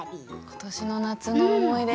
今年の夏の思い出